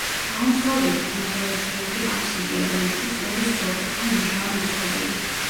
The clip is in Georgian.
აღმოსავლეთითნახევარწრიული აფსიდია, რომელშიც ორი სწორკუთხა ნიშაა მოწყობილი.